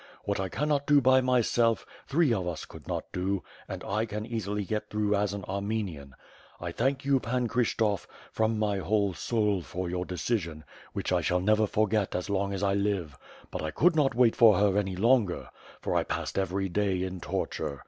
What T cannot do by myself, three of us could not do, and I can easily get through as as an Armenian. I thank you. Pan Kryshtof, from my whole soul for your decision, which I shall ^8^ WITH FIRE AND SWORD. never forget as long as I live. But I could not wait for her any longer, for I passed every day in torture.